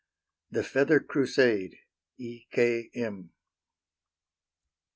THE FEATHER CRUSADE. E. K. M.